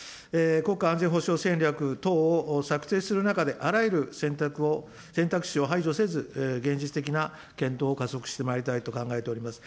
国家安全保障戦略等を策定する中であらゆる選択肢を排除せず、現実的な検討を加速してまいりたいと考えております。